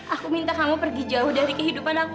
aku minta kamu pergi jauh dari kehidupan aku